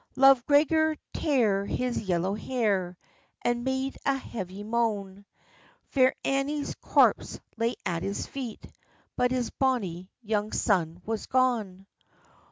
Love Gregor tare his yellow hair, And made a heavy moan; Fair Annie's corpse lay at his feet, But his bonny young son was gone.